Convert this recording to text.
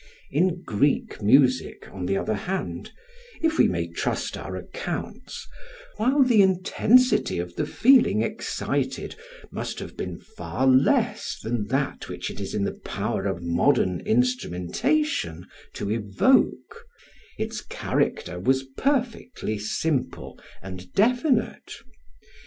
In Greek music, on the other hand, if we may trust our accounts, while the intensity of the feeling excited must have been far less than that which it is in the power of modern instrumentation to evoke, its character was perfectly simple and definite.